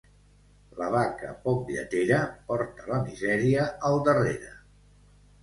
La vaca poc lletera, porta la misèria al darrere.